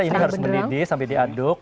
nah ini kita harus mendidih sambil diaduk